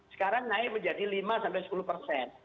sekarang naik menjadi lima sampai sepuluh persen